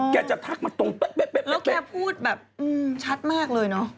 แกจะทักมาตรงเป๊บแล้วแกพูดแบบชัดมากเลยเนอะ